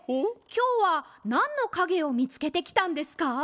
きょうはなんのかげをみつけてきたんですか？